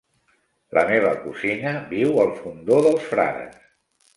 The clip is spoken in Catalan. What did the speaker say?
La meva cosina viu al Fondó dels Frares.